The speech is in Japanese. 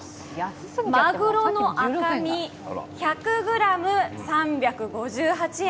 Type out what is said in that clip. まぐろの赤身、１００ｇ３５８円。